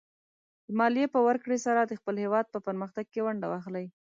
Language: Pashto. د مالیې په ورکړې سره د خپل هېواد په پرمختګ کې ونډه واخلئ.